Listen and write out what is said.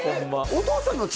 お父さんの血？